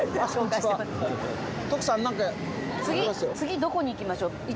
次次どこに行きましょう？